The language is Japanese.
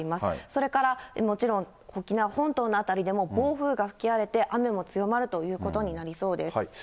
それからもちろん、沖縄本島の辺りでも、暴風が吹き荒れて雨も強まるということになりそうです。